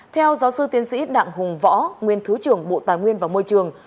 theo giáo sư tiến sĩ đặng hùng võ